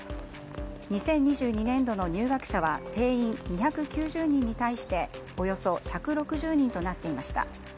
２０２２年度の入学者は定員２９０人に対しておよそ１６０人となっていました。